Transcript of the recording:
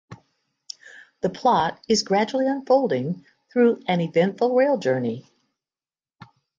The plot is gradually unfolding through an eventful rail journey.